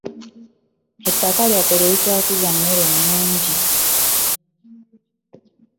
Ettaka lyaffe terikyakuza mmere nnungi.